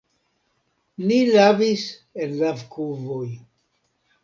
Ni lavis en lavkuvoj.